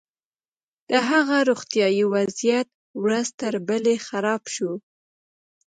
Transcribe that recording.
د هغه روغتيايي وضعيت ورځ تر بلې خراب شو.